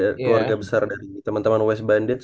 keluarga besar dari teman teman west bandit